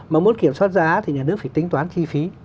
mà muốn kiểm soát giá thì nhà nước phải tính toán chi phí